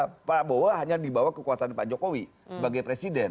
karena pak prabowo hanya dibawa kekuasaan pak jokowi sebagai presiden